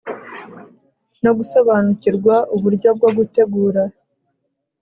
no gusobanukirwa uburyo bwo gutegura